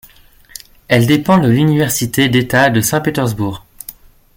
Elle dépend de l'université d'État de Saint-Pétersbourg.